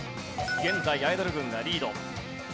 現在アイドル軍がリード。